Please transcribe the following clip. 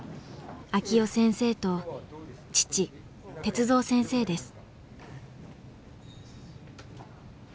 晃生先生と父鉄三先生です。